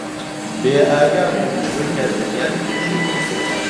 بێئاگا بووم لەوەی کە زریان کێشەی هەیە.